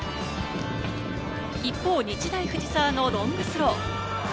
一方、日大藤沢のロングスロー。